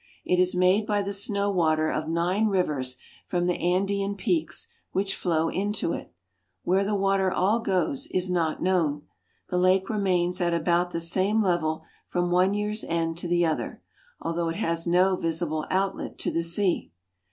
It is made by the snow water of nine rivers from the Andean peaks, which flow into it. Where the water all goes is not known. The lake re mains at about the same level from one year's end to the other, although it has no visible outlet to the sea.